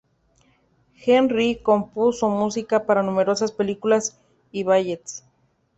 Henry compuso música para numerosas películas y ballets.